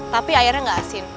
tapi airnya enggak asin